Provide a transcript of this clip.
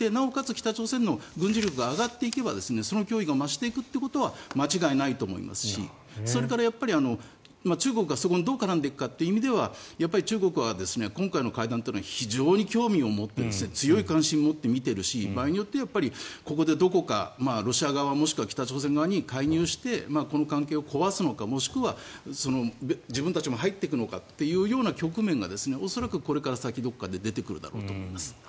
北朝鮮の軍事力が上がっていけばその脅威が増していくことは間違いないと思いますしそれから中国がそこにどう絡んでいくかという意味では中国は今回の会談というのは非常に興味を持って強い関心を持って見ているし場合によってはここで、どこかロシア側もしくは北朝鮮側に介入して、この関係を壊すのかもしくは自分たちも入っていくのかっていう局面が恐らくこれから先どこかで出てくるだろうと思います。